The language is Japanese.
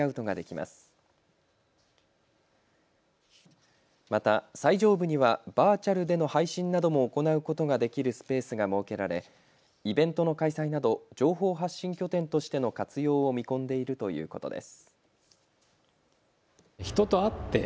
また最上部にはバーチャルでの配信なども行うことができるスペースが設けられイベントの開催など情報発信拠点としての活用を見込んでいるということです。